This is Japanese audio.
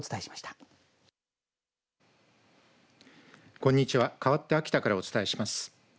こんにちは、かわって秋田からお伝えします。